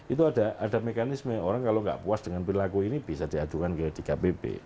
itu ada mekanisme orang kalau nggak puas dengan perilaku ini bisa diadukan ke dkpp